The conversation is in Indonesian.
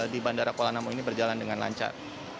di bandara kuala namu ini berjalan dengan lancar